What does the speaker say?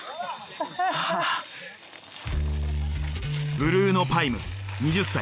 ブルーノ・パイム２０歳。